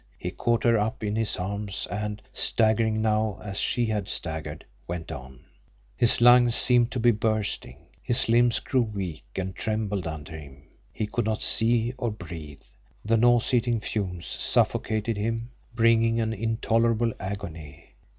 He caught her up in his arms and, staggering now as she had staggered, went on. His lungs seemed to be bursting. His limbs grew weak and trembled under him. He could not see or breathe. The nauseating fumes suffocated him, bringing an intolerable agony.